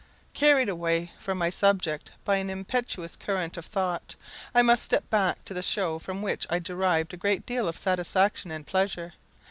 Carried away from my subject by an impetuous current of thought, I must step back to the show from which I derived a great deal of satisfaction and pleasure.